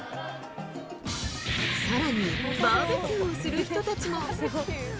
さらにバーベキューをする人たちも。